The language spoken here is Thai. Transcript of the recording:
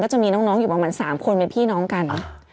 จะมีน้องอยู่ประมาณ๓คนเป็นพี่น้องกัน